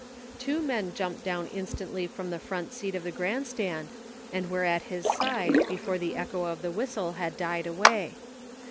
Two men jtmiped down instantly from the front seat of the grandstand and were at his side before the echo of the whistle had died away.